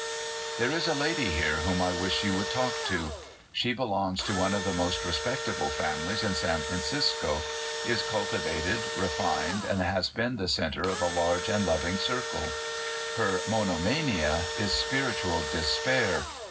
*' There is a lady here whom I wish you would talk to. She belongs to one of the most respecta ble families in San Francisco, is cultivated, refined, and has been the center of a larcje and lovintj circle. Her monomania is spiritual despair.